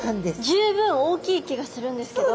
十分大きい気がするんですけど。